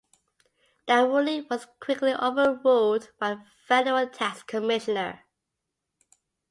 That ruling was quickly over-ruled by the federal tax commissioner.